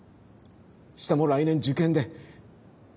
下も来年受験で。